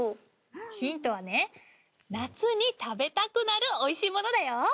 ヒントはね夏に食べたくなるおいしいものだよ。